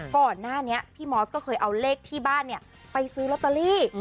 ก่อนหน้านี้พี่มอสก็เคยเอาเลขที่บ้านไปซื้อลอตเตอรี่